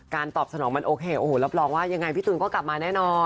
ตอบสนองมันโอเคโอ้โหรับรองว่ายังไงพี่ตูนก็กลับมาแน่นอน